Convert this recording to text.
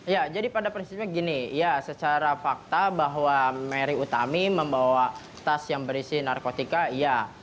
ya jadi pada prinsipnya gini ya secara fakta bahwa mary utami membawa tas yang berisi narkotika ya